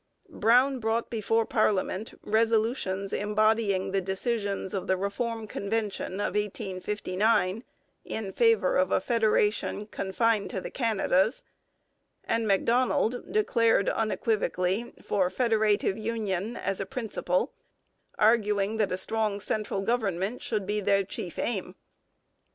Brown brought before parliament resolutions embodying the decisions of the Reform Convention of 1859 in favour of a federation confined to the Canadas, and Macdonald declared unequivocally for federative union as a principle, arguing that a strong central government should be the chief aim.